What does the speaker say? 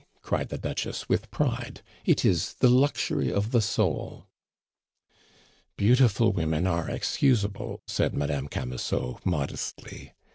cried the Duchess with pride. "It is the luxury of the soul." "Beautiful women are excusable," said Madame Camusot modestly.